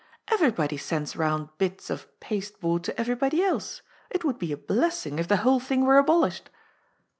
" Everybody sends round bits of paste board to everybody else. It would be a blessing if the whole thing were abolished."